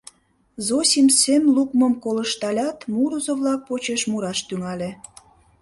Зосим сем лукым колышталят, мурызо-влак почеш мураш тӱҥале.